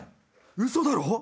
ウソだろ？